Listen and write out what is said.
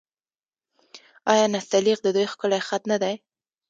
آیا نستعلیق د دوی ښکلی خط نه دی؟